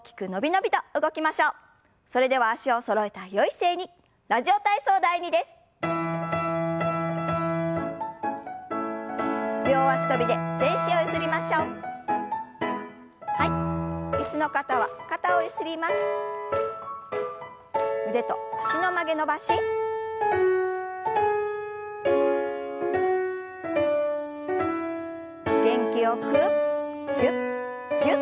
元気よくぎゅっぎゅっと。